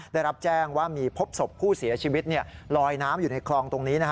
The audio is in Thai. ได้รับแจ้งว่ามีพบศพผู้เสียชีวิตลอยน้ำอยู่ในคลองตรงนี้